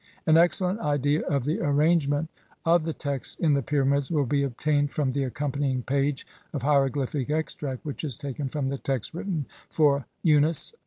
An ex cellent idea of the arrangement of the texts in the pyramids will be obtained from the accompanying page of hieroglyphic extract which is taken from the text written for Unas, 1.